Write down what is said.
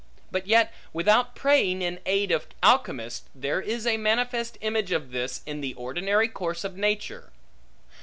But yet without praying in aid of alchemists, there is a manifest image of this, in the ordinary course of nature.